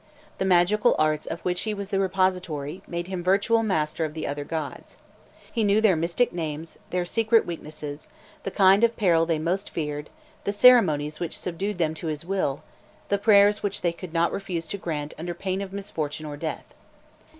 The magical arts of which he was the repository, made him virtual master of the other gods. He knew their mystic names, their secret weaknesses, the kind of peril they most feared, the ceremonies which subdued them to his will, the prayers which they could not refuse to grant under pain of misfortune or death.